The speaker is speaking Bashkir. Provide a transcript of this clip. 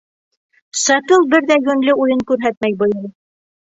Сопел бер ҙә йүнле уйын күрһәтмәй быйыл.